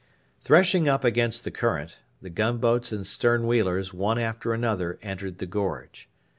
Threshing up against the current, the gunboats and stern wheelers one after another entered the gorge.